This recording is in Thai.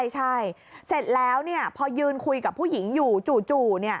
ใช่เสร็จแล้วพอยืนคุยกับผู้หญิงอยู่จู่